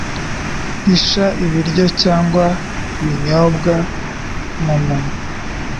Hisha ibiryo cyangwa ibinyobwa mumunwa